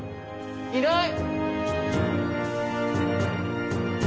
いない。